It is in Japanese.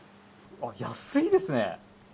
安いですね。